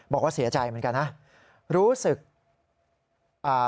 บอกว่าเสียใจเหมือนกันนะ